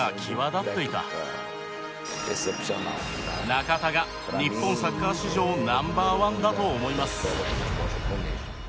中田が日本サッカー史上Ｎｏ．１だと思います。